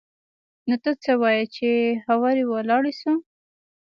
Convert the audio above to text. نو ته څه وايي چې هورې ولاړ سو.